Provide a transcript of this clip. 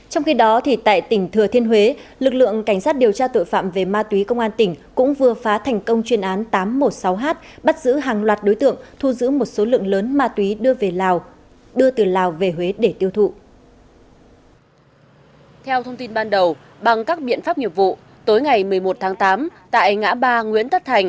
hãy đăng ký kênh để ủng hộ kênh của chúng mình nhé